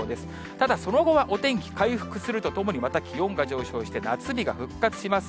ただ、その後はお天気回復するとともに、また気温が上昇して、夏日が復活します。